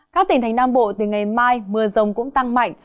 các tỉnh thành nam bộ từ ngày mai mưa rông cũng tăng mạnh